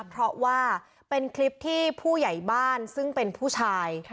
เพราะว่าเป็นคลิปที่ผู้ใหญ่บ้านซึ่งเป็นผู้ชาย